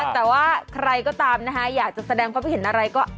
แต่ว่าใครก็ตามนะคะอยากจะแสดงความคิดเห็นอะไรก็